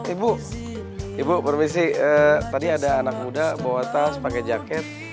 ibu ibu permisi tadi ada anak muda bawa tas pakai jaket